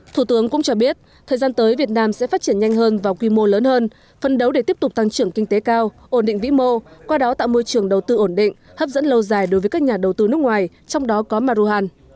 thủ tướng cũng cho biết thời gian tới việt nam sẽ phát triển nhanh hơn và quy mô lớn hơn phân đấu để tiếp tục tăng trưởng kinh tế cao ổn định vĩ mô qua đó tạo môi trường đầu tư ổn định hấp dẫn lâu dài đối với các nhà đầu tư nước ngoài trong đó có maruhan